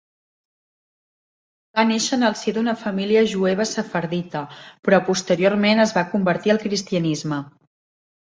Va néixer en si d'una família jueva sefardita, però posteriorment es va convertir al cristianisme.